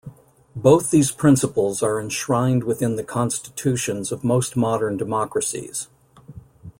Both these principles are enshrined within the constitutions of most modern democracies.